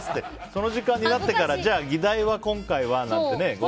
その時間になって議題は今回はなんてね。